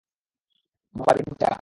বাবা, রিং টা।